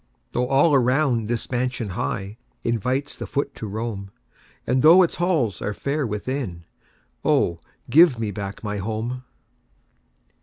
Though all around this mansion high Invites the foot to roam, And though its halls are fair within Oh, give me back my HOME!